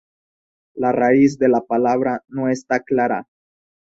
La raíz de la palabra no está clara.